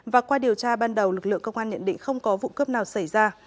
và qua điều tra ban đầu lực lượng công an nhận định không có vụ cướp nào xảy ra